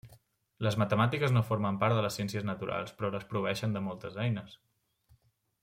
Les matemàtiques no formen part de les ciències naturals però les proveeixen de moltes eines.